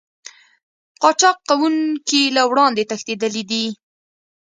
قاچاق کوونکي له وړاندې تښتېدلي دي